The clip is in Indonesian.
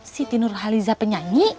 si tinur halizat penyanyi